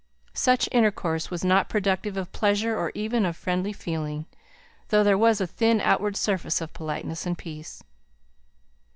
Such intercourse was not productive of pleasure, or even of friendly feeling, though there was a thin outward surface of politeness and peace.